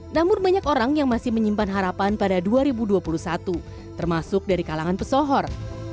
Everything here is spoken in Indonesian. namun banyak orang yang masih menyimpan harapan pada dua ribu dua puluh satu termasuk dari kalangan pesohor